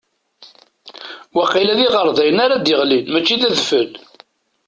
Waqila d iɣerdayen ara d-iɣlin, mačči d adfel.